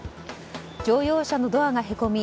乗用車のドアがへこみ